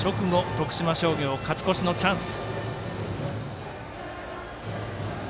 徳島商業、勝ち越しのチャンス。